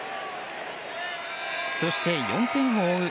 そして、４点を追う